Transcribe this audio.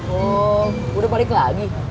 oh udah balik lagi